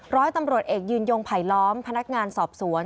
ร้อยตำรวจเอกยืนยงไผลล้อมพนักงานสอบสวน